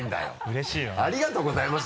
うれしいな。